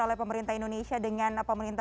oleh pemerintah indonesia dengan pemerintah